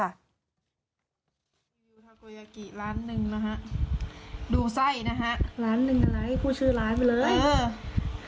ร้านหนึ่งนะฮะดูไส้นะฮะร้านหนึ่งอะไรคู่ชื่อร้านไปเลยเออ